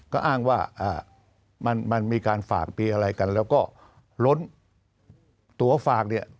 ก็อ้างว่ามันมีการฝากปีอะไรกันแล้วก็ล้นตัวฝากเนี่ย